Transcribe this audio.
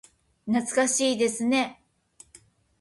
懐かしいですね。